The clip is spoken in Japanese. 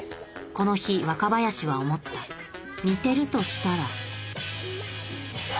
この日若林は思った似てるとしたらいや。